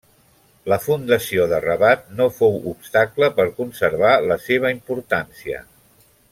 La fundació de Rabat no fou obstacle per conservar la seva importància.